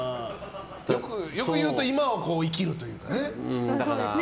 よくいうと今を生きるというかね。